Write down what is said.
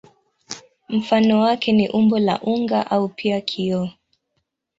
Mfano wake ni umbo la unga au pia kioo.